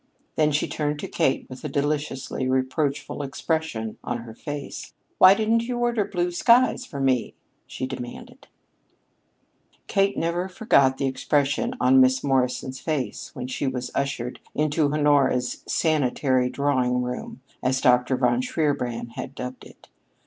Then she turned to Kate with a deliciously reproachful expression on her face. "Why didn't you order blue skies for me?" she demanded. Kate never forgot the expression of Miss Morrison's face when she was ushered into Honora's "sanitary drawing room," as Dr. von Shierbrand had dubbed it.